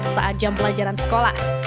saat jam pelajaran sekolah